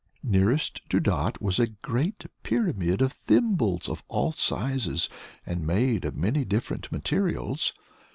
Nearest to Dot was a great pyramid of thimbles, of all sizes and made of many different materials.